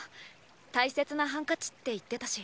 大切なハンカチって言ってたし。